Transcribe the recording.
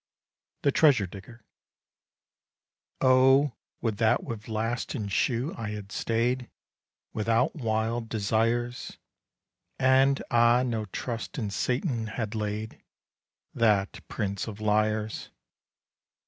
THE TREASURE DIGGER O, would that with last and shoe I had stay'd, Without wild desires; And, ah! no trust in Satan had laid, That prince of liars!